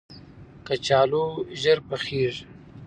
کچالو ژر پخیږي